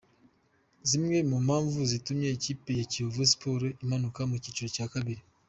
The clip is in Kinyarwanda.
Zimwe mu mpamvu zitumye ikipe ya Kiyovu Sports imanuka mu cyiciro cya kabiri.